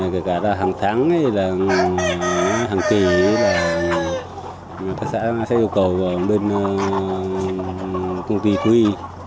kể cả là hàng tháng hay là hàng kỷ thật ra sẽ yêu cầu bên công ty tùy